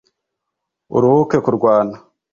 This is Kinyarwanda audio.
Uruhuke kurwana